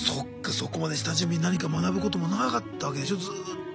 そこまで下準備何か学ぶこともなかったわけでしょずっと。